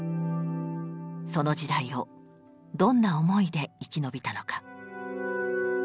その時代をどんな思いで生き延びたのか。